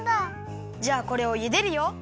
じゃあこれをゆでるよ！